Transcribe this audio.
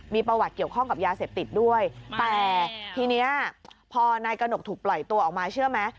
มีประวัติเกี่ยวข้องกับยาเสพติดด้วยแต่ทีนี้พอนายกระหนกถูกปล่อยตัวออกมาเชื่อไหม